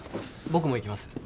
僕も行きます。